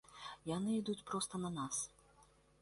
Яны ідуць проста на нас.